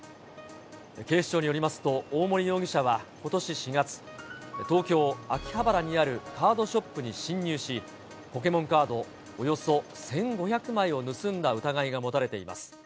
警視庁によりますと、大森容疑者はことし４月、東京・秋葉原にあるカードショップに侵入し、ポケモンカードおよそ１５００枚を盗んだ疑いが持たれています。